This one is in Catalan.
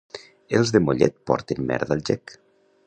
Els de Mollet porten merda al gec.